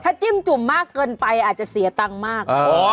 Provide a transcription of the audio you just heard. ถ้าจิ้มจุ่มมากเกินไปอาจจะเสียตังค์มาก